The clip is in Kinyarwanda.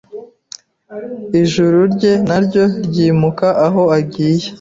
ijuru rye naryo ryimuka Aho agiye